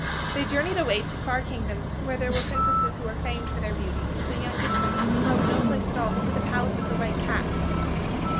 They journeyed away to far kingdoms where there were princesses who were famed for their beauty; but the youngest prince rode no place at all but to the palace of the White Cat.